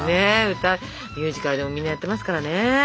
歌ミュージカルでもみんなやってますからね